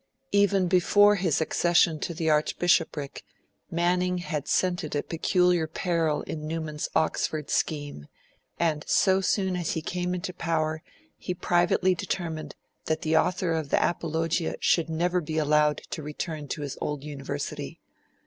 Even before his accession to the Archbishopric, Manning had scented a peculiar peril in Newman's Oxford scheme, and so soon as he came into power, he privately determined that the author of the Apologia should never be allowed to return to his old University.